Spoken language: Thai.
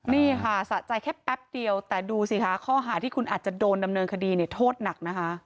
นี่ค่ะสะใจแค่แป๊บเดียวแต่ดูสิคะข้อหาที่คุณอาจจะโดนดำเนินคดีเนี่ยโทษหนักนะคะ